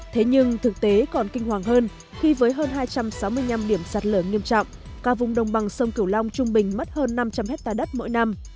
thế nhưng thực tế còn kinh hoàng hơn khi với hơn hai trăm sáu mươi năm điểm sạt lở nghiêm trọng cả vùng đồng bằng sông cửu long trung bình mất hơn năm trăm linh hectare đất mỗi năm